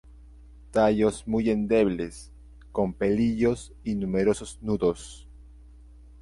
Tallos muy endebles, con pelillos y numerosos nudos.